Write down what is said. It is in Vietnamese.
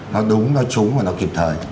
nó đúng nó trúng và nó kịp thời